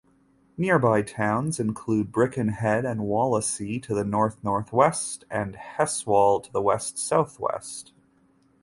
Nearby towns include Birkenhead and Wallasey to the north-northwest, and Heswall to the west-southwest.